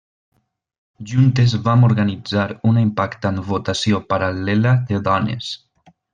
Juntes van organitzar una impactant votació paral·lela de dones.